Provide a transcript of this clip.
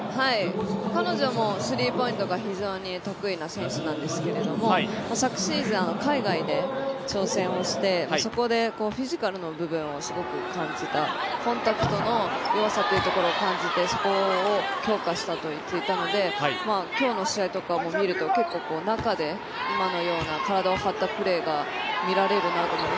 彼女もスリーポイントが非常に得意な選手なんですけども昨シーズンは海外で挑戦をしてそこで、フィジカルの部分をすごく感じたコンタクトの弱さっていうところを感じてそこを強化したと言っていたので今日の試合とかも見ると結構中で今のような体を張ったプレーが見られるなと思って。